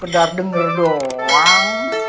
pedar denger doang